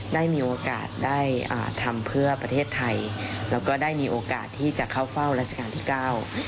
ได้มีโอกาสได้อ่าทำเพื่อประเทศไทยแล้วก็ได้มีโอกาสที่จะเข้าเฝ้ารัชกาลที่เก้า